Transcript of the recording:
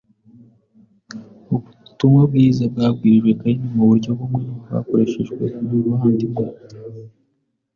Ubutumwa bwiza bwabwirijwe Kayini mu buryo bumwe n’ubwakoreshejwe ku muvandimwe,